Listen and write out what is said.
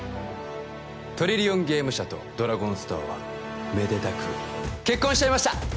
トリリオンゲーム社とドラゴンストアはめでたく結婚しちゃいました！